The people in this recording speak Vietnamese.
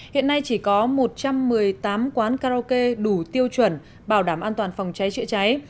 hiện nay chỉ có một trăm một mươi tám quán karaoke đủ tiêu chuẩn bảo đảm an toàn phòng cháy chữa cháy